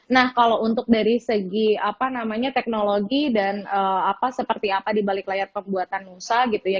nah kalau untuk dari segi apa namanya teknologi dan seperti apa dibalik layar pembuatan nusa gitu ya